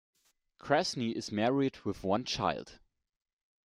Krasny is married with one child.